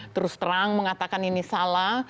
terus terang mengatakan ini salah